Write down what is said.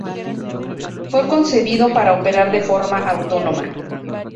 Fue concebido para operar de forma autónoma.